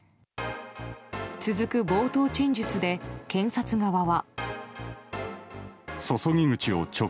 続く冒頭陳述で検察側は。